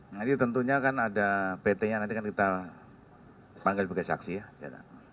nanti tentunya kan ada pt nya nanti kan kita panggil sebagai saksi ya